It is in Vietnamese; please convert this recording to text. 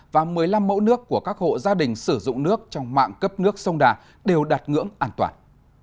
và một mươi năm mẫu nước của các hộ gia đình sử dụng nước trong mạng cấp nước sông đà đều đạt ngưỡng an toàn